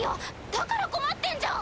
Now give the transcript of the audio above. だから困ってんじゃん。